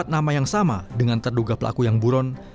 empat nama yang sama dengan terduga pelaku yang buron